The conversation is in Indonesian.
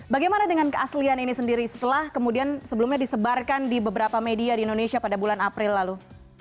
bagaimana dengan keaslian ini sendiri setelah kemudian sebelumnya disebarkan di beberapa media di indonesia pada bulan april lalu